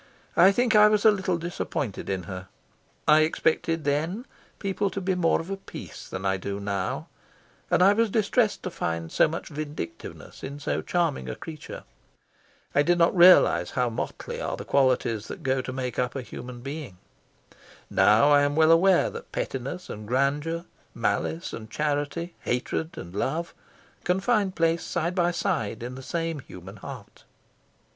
I think I was a little disappointed in her. I expected then people to be more of a piece than I do now, and I was distressed to find so much vindictiveness in so charming a creature. I did not realise how motley are the qualities that go to make up a human being. Now I am well aware that pettiness and grandeur, malice and charity, hatred and love, can find place side by side in the same human heart.